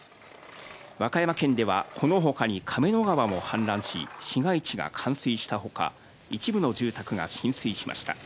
和歌山県ではこの他に亀の川も氾濫し、市街地が冠水した他、一部の住宅が浸水しました。